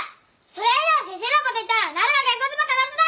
それ以上先生のこと言ったらなるがげんこつばかますぞ！